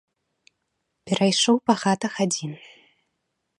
Перайшоў па хатах адзін.